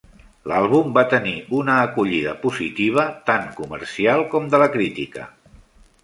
L'àlbum va tenir una acollida positiva, tant comercial com de la crítica.